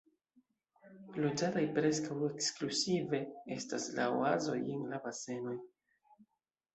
Loĝataj preskaŭ ekskluzive estas la oazoj en la basenoj.